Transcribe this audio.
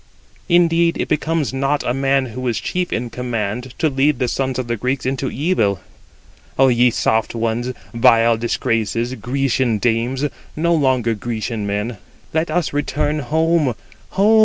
Indeed it becomes not a man who is chief in command, to lead the sons of the Greeks into evil. Ο ye soft ones, vile disgraces, Grecian dames, no longer Grecian men, 98 let us return home, home!